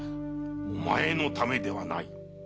⁉お前のためではない。